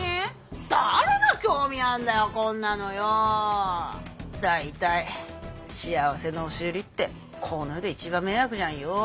誰が興味あんだよこんなのよ。大体幸せの押し売りってこの世で一番迷惑じゃんよ。